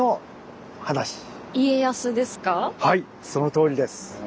はいそのとおりです。